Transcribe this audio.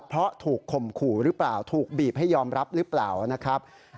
เพราะถูกข่มขู่หรือเปล่าถูกบีบให้ยอมรับหรือเปล่านะครับ